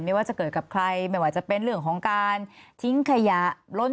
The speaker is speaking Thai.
ไม่ว่าจะเกิดกับใครไม่ว่าจะเป็นเรื่องของการทิ้งขยะล้น